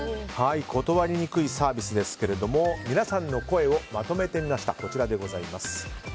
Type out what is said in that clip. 断りにくいサービスですが皆さんの声をまとめてみました。